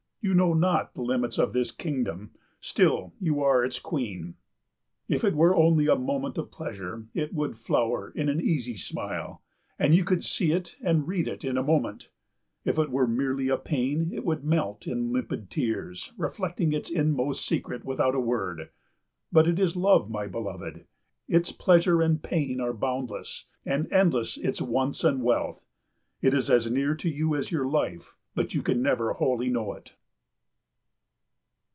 You know not the limits of this kingdom, still you are its queen. If it were only a moment of pleasure it would flower in an easy smile, and you could see it and read it in a moment. If it were merely a pain it would melt in limpid tears, reflecting its inmost secret without a word. But it is love, my beloved. Its pleasure and pain are boundless, and endless its wants and wealth. It is as near to you as your life, but you can never wholly know it.